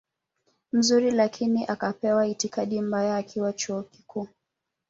mzuri lakini akapewa itikadi mbaya akiwa chuo kikuu